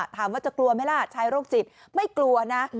ถามว่าจะกลัวไหมล่ะชายโรคจิตไม่กลัวนะ